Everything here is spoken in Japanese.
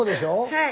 はい。